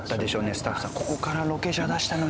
スタッフさん「ここからロケ車出したのに」。